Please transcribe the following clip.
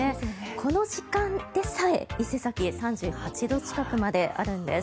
この時間でさえ、伊勢崎３８度近くまであるんです。